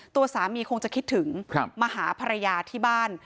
ตัวสามีคงจะคิดถึงมาหาภรรยาที่บ้าน